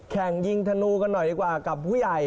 แข่งยิงธนูกันหน่อยดีกว่ากับผู้ใหญ่